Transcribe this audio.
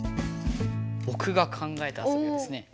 ぼくが考えた遊びはですね